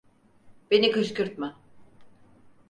Beni kışkırtma.